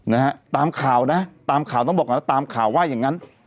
นะฮะตามข่าวนะตามข่าวต้องบอกก่อนนะตามข่าวว่าอย่างงั้น